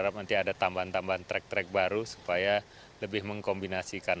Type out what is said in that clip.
nanti ada tambahan tambahan track track baru supaya lebih mengkombinasikan